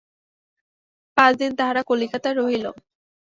পাঁচ দিন তাহারা কলিকাতায় রহিল।